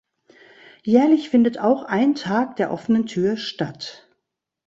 Jährlich findet auch ein Tag der offenen Tür statt.